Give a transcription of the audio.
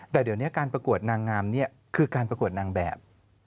แต่เดี๋ยวนี้การประกวดนางงามนี่คือการประกวดนางแบบ